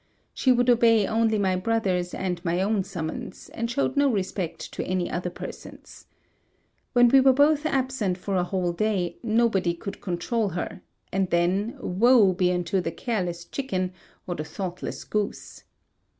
She would obey only my brother's and my own summons, and showed no respect to any other persons. When we were both absent for a whole day, nobody could control her, and then, woe be unto the careless chicken or the thought less goose!